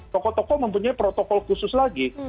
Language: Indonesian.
toko toko mempunyai protokol khusus lagi